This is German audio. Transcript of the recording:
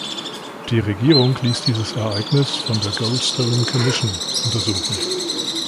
Die Regierung ließ dieses Ereignis von der "Goldstone Commission" untersuchen.